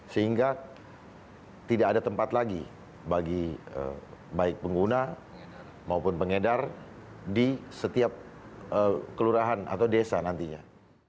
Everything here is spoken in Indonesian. sehingga tidak ada tempat lagi bagi baik pengguna maupun pengedar di setiap kelurahan atau desa nantinya